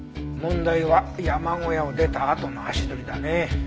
問題は山小屋を出たあとの足取りだね。